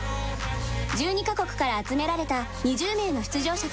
１２カ国から集められた２０名の出場者たち。